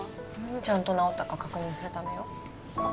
ちゃんと治ったか確認するためよあっ